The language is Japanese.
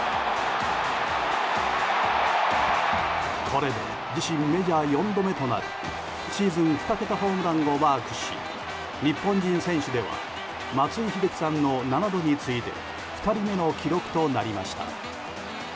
これで自身メジャー４度目となるシーズン２桁ホームランをマークし日本人選手としては松井秀喜さんの７度に次いで２人目の記録となりました。